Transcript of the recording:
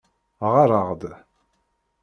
Ɣer-aɣ-d.